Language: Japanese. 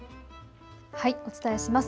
お伝えします。